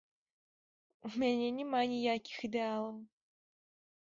У мяне няма ніякіх ідэалаў.